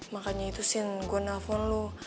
makanya itu sian gue nelfon lo